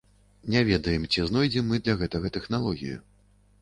Не ведаем, ці мы знойдзем для таго тэхналогію.